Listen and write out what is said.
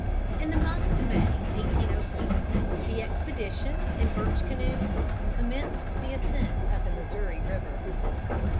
In the month of May, 1804, the expedition, in birch canoes, commenced the ascent of the Missouri river.